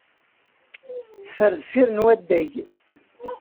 Teffer deffir n waddag.